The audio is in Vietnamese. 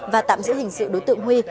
và tạm giữ hình sự đối tượng huy